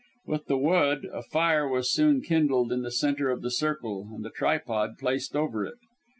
With the wood, a fire was soon kindled in the centre of the circle; and the tripod placed over it.